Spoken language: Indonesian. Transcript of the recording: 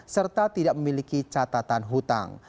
serta tidak memiliki catatan hutang